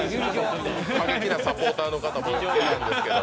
過激なサポーターの方もいるんですけど。